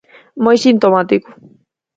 Moi sintomático.